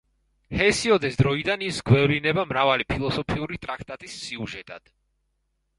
ჰესიოდეს დროიდან ის გვევლინებოდა მრავალი ფილოსოფიური ტრაქტატის სიუჟეტად.